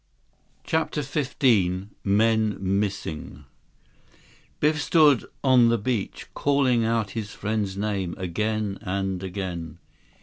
117 CHAPTER XV Men Missing Biff stood on the beach calling out his friend's name again and again.